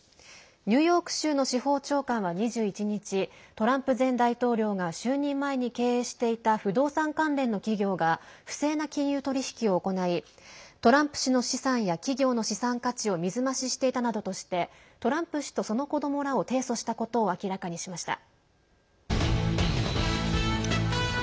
ニューヨーク州の司法長官は２１日トランプ前大統領が就任前に経営していた不動産関連の企業が不正な金融取り引きを行いトランプ氏の資産や企業の資産価値を水増ししていたなどしてトランプ氏と、その子どもらを提訴したことを明らかにしました。